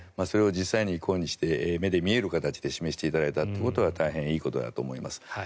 それを実際にこういうふうにして目に見える形で示していただいたということは大変いいことだと思います。